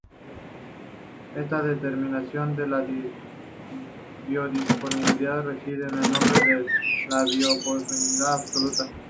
Esta determinación de la biodisponibilidad, recibe el nombre de biodisponibilidad absoluta.